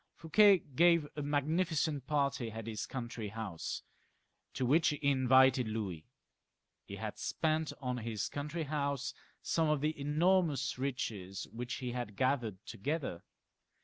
Fouquet gave a magnificent party at his country house, to which he invited Louis. He had spent on his country house some of the enormous riches which he had gathered together.